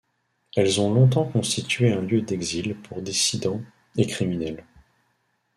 Elles ont longtemps constitué un lieu d'exil pour dissidents et criminels.